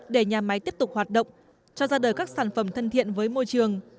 để nhà máy tiếp tục hoạt động cho ra đời các sản phẩm thân thiện với môi trường